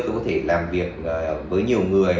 tôi có thể làm việc với nhiều người